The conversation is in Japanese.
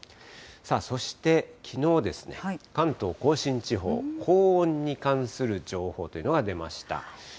そして、きのうですね、関東甲信地方、高温に関する情報というのが出ました。